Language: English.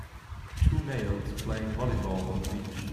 two males playing volleyball on the beach.